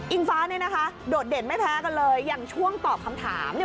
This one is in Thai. ฟ้าเนี่ยนะคะโดดเด่นไม่แพ้กันเลยอย่างช่วงตอบคำถามเนี่ย